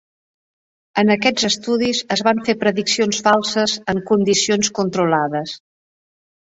En aquests estudis es van fer prediccions falses en condicions controlades.